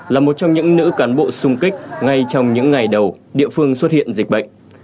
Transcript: là một trong những nữ cán bộ sung kích ngay trong những ngày đầu địa phương xuất hiện dịch bệnh